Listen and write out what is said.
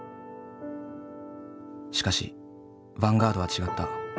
しかしヴァンガードは違った。